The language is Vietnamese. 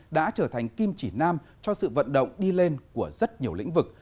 đã trở thành kim chỉ nam cho sự vận động đi lên của rất nhiều lĩnh vực